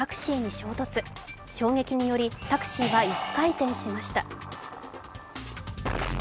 衝撃により、タクシーは１回転しました。